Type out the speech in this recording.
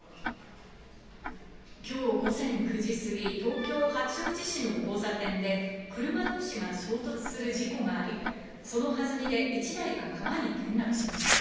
きょう午前９時過ぎ、東京・八王子市の交差点で、車どうしが衝突する事故があり、そのはずみで１台が川に転落しました。